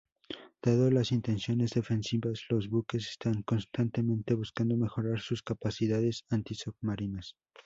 Dado las intenciones defensivas, los buques están constantemente buscando mejorar sus capacidades anti-submarinas.